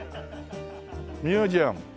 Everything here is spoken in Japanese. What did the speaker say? ミュージアム。